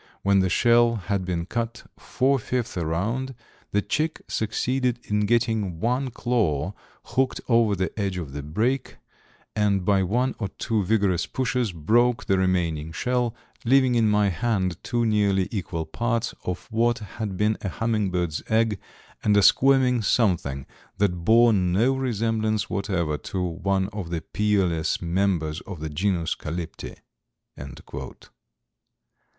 When the shell had been cut four fifths around, the chick succeeded in getting one claw hooked over the edge of the break, and by one or two vigorous pushes broke the remaining shell, leaving in my hand two nearly equal parts of what had been a hummingbird's egg and a squirming something that bore no semblance whatever to one of the peerless members of the genus Calypte."